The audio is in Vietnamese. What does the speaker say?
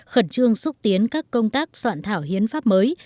khẩn trương xúc tiến các công tác soạn thảo hiến pháp mới